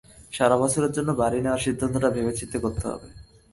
সারা বছরের জন্য বাড়ী নেওয়ার সিদ্ধান্তটা ভেবে-চিন্তে করতে হবে।